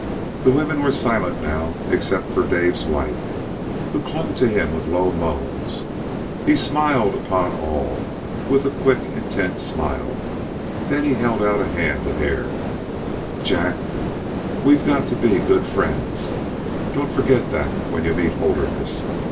The women were silent now, except Dave's wife, who clung to him with low moans. He smiled upon all with a quick intent smile, then he held out a hand to Hare. "Jack, we got to be good friends. Don't forget that when you meet Holderness.